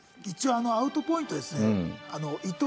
一応アウトポイントですね。